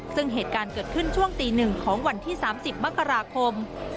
ซึ่งเหตุการณ์เกิดขึ้นช่วงตี๑ของวันที่๓๐มกราคม